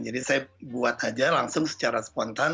jadi saya buat aja langsung secara spontan